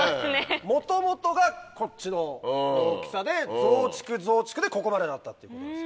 元々がこっちの大きさで増築増築でここまでなったっていうことです。